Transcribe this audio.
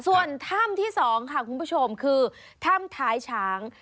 ส่วนถ้ำที่๒ค่ะคุณผู้ชมคือถ้ำท้ายช้าง